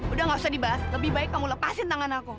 udah gak usah dibahas lebih baik kamu lepasin tangan aku